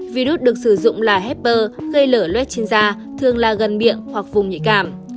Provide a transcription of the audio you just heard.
virus được sử dụng là happer gây lở luet trên da thường là gần miệng hoặc vùng nhạy cảm